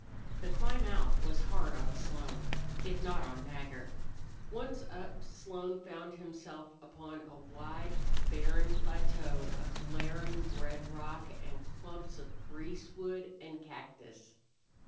The climb out was hard on Slone, if not on Nagger. Once up, Slone found himself upon a wide, barren plateau of glaring red rock and clumps of greasewood and cactus.